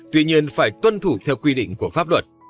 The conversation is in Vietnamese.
tuy nhiên phải tuân thủ theo quy định của pháp luật